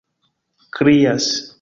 krias